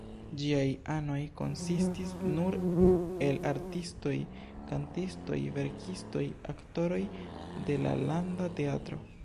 Ĝiaj anoj konsistis nur el artistoj, kantistoj, verkistoj, aktoroj de la Landa Teatro.